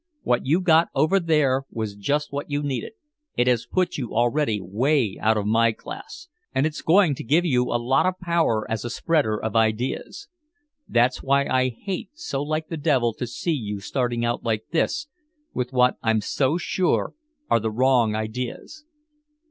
What you got over there was just what you needed, it has put you already way out of my class, and it's going to give you a lot of power as a spreader of ideas. That's why I hate so like the devil to see you starting out like this, with what I'm so sure are the wrong ideas."